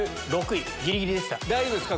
大丈夫ですか？